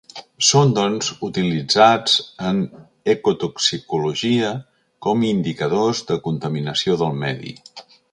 Són doncs utilitzats en ecotoxicologia com indicadors de contaminació del medi.